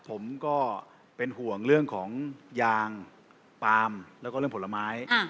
ผมก็เป็นห่วงเรื่องของยางปาล์มแล้วก็เรื่องผลไม้